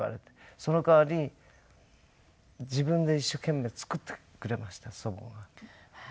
その代わりに自分で一生懸命作ってくれました祖母が。